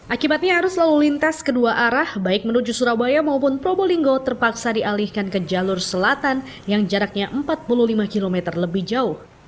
akibatnya arus lalu lintas kedua arah baik menuju surabaya maupun probolinggo terpaksa dialihkan ke jalur selatan yang jaraknya empat puluh lima km lebih jauh